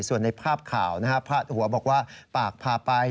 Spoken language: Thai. ส่วนในภาพข่าวพาดหัวบอกว่าปากพาไป